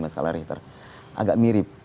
sekalari agak mirip